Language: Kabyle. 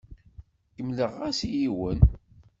Kemmleɣ-as i yiwen.